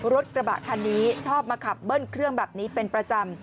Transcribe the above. รถกระบะคันนี้ชอบมาขับเบิ้ลเครื่องแบบนี้เป็นประจำ